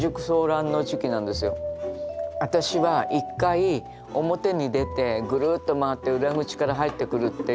私は一回表に出てぐるっと回って裏口から入ってくるっていう。